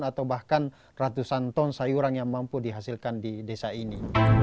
atau bahkan ratusan ton sayuran yang mampu dihasilkan di desa ini